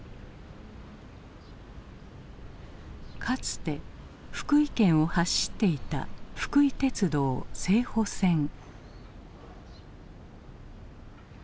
かつて福井県を走っていた福井鉄道浦線。